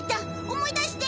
思い出して！